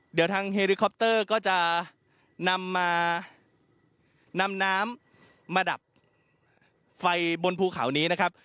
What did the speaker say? เดี๋ยวทางเฮลิคอปเตอร์ก็จะนำมานำน้ำมาดับไฟบนภูเขานี้นะครับ